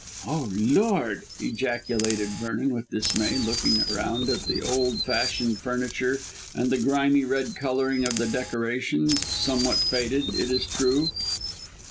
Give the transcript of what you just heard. "Oh, Lord!" ejaculated Vernon with dismay, looking round at the old fashioned furniture and the grimly red colouring of the decorations, somewhat faded, it is true.